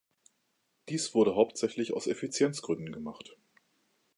Dies wurde hauptsächlich aus Effizienzgründen gemacht.